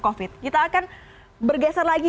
covid sembilan belas kita akan bergeser lagi